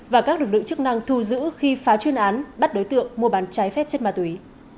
và các lực lượng chức năng thu giữ khi phá chuyên án bắt đối tượng mua bán trái phép chất ma túy